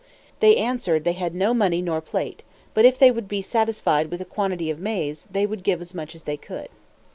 They answered, they had no money nor plate; but if they would be satisfied with a quantity of maize, they would give as much as they could.